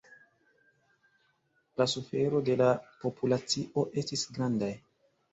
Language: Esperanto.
La sufero de la populacio estis grandaj.